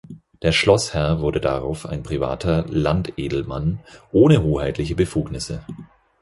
Der Schlossherr wurde darauf ein privater „Landedelmann“ ohne hoheitliche Befugnisse.